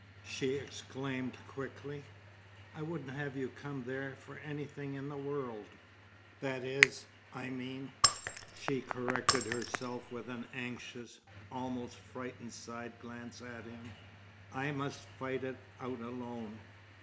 she exclaimed quickly. "I wouldn't have you come there for anything in the world. That is. I mean " she corrected herself with an anxious, almost frightened side glance at him "I must fight it out alone.